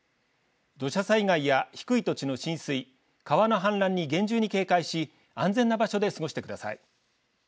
土砂災害や低い土地の浸水川の氾濫に厳重に警戒し安全な場所で過ごしてください。